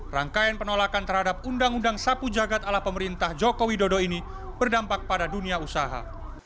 rangkaian penolakan terhadap undang undang sapu jagat ala pemerintah joko widodo ini berdampak pada dunia usaha